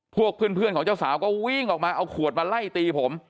พวกเพื่อนของเจ้าสาวก็วิ่งออกมาเอาขวดมาไล่ตีผม